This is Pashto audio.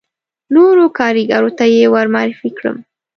نورو کاریګرو ته یې ور معرفي کړم.